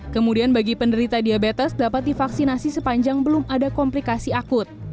kemudian bagi penderita diabetes dapat divaksinasi sepanjang belum ada komplikasi akut